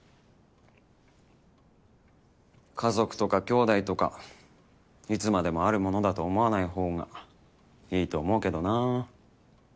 家族とか兄弟とかいつまでもあるものだと思わないほうがいいと思うけどな。